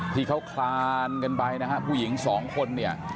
ที่เขาคลานกันไปนะครับผู้หญิงสองคน